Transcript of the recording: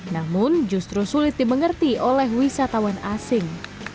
namun justru sulit dimengerti oleh wisatawan asing